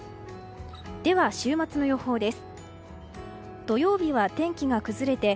では、週末の予報です。